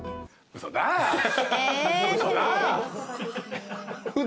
嘘だ。